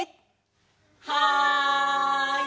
はい！